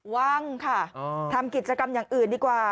ว่างค่ะทำกิจกรรมอย่างอื่นดีกว่า